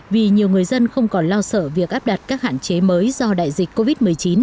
vì nhiều người dân không còn lo sợ việc áp đặt các hạn chế mới do đại dịch covid một mươi chín